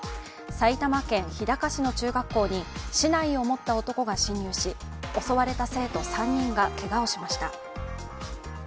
埼玉県日高市の中学校に竹刀を持った男が侵入し、襲われた生徒３人がけがをしました。